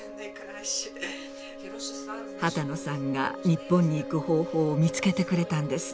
波多野さんが日本に行く方法を見つけてくれたんです。